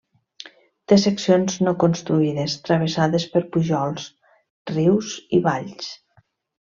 Té seccions no construïdes, travessades per pujols, rius i valls.